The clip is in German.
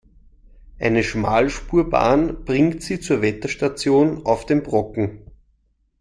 Eine Schmalspurbahn bringt Sie zur Wetterstation auf dem Brocken.